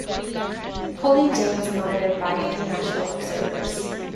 Polling day was monitored by international observers.